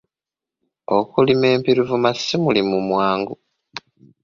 Okulima empirivuma si mulimu mwangu.